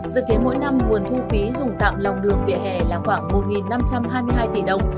dự kiến mỗi năm nguồn thu phí dùng tạm lòng đường vỉa hè là khoảng một năm trăm hai mươi hai tỷ đồng